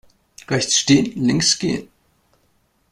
Rechts stehen, links gehen.